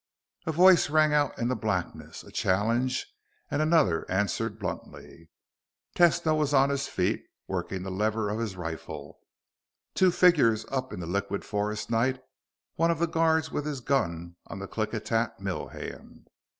_ A voice rang out in the blackness, a challenge, and another answered bluntly. Tesno was on his feet, working the lever of his rifle. Two figures up in the liquid forest night one of the guards with his gun on the Klickitat mill hand.